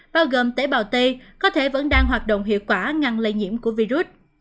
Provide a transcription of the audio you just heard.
bao gồm tế bào t có thể vẫn đang hoạt động hiệu quả ngăn lây nhiễm của virus